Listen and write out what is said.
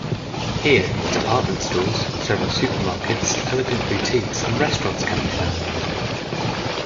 Here department stores, several supermarkets, elegant boutiques and restaurants can be found.